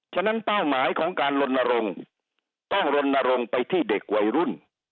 ฉะนั้นเป้าหมายของการลนรงค์ต้องลนรงค์ไปที่เด็กวัยรุ่น